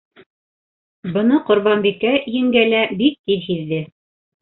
Быны Ҡорбанбикә еңгә лә бик тиҙ һиҙҙе.